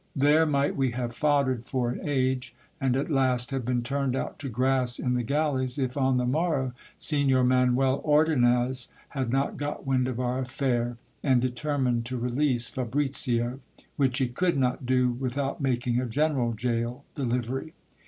There might we have foddered for an age, and at last have been turned out to grass in the galleys, if on the morrow Signor Manuel Ordonnez had not got wind of our affair, and determined to release Fabricio ; which he could not do without making a general gaol delivery.